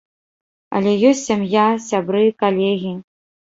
Але ёсць сям'я, сябры, калегі.